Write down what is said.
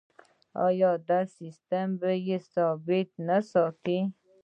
آیا دا سیستم بیې ثابت نه ساتي؟